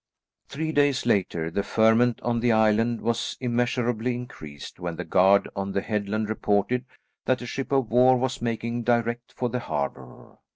Three days later the ferment on the island was immeasurably increased when the guard on the headland reported that a ship of war was making direct for the harbour.